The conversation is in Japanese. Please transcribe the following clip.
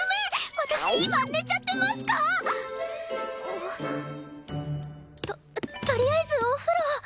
私今寝ちゃってますか！？ととりあえずお風呂。